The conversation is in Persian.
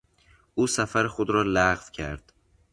او سفر خود را لغو کرد.